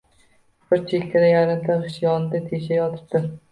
Bir chekkada yarimta g‘isht, yonida tesha yotibdi.